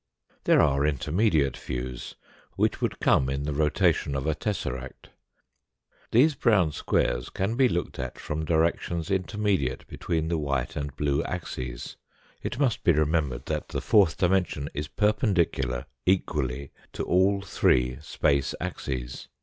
There are intermediate vi^ews, which would come in the rotation of a tesseract. These brown squares can be looked at from directions intermediate between the white and blue axes. It must be remembered that the fourth dimension is perpendicular equally to all three space axes.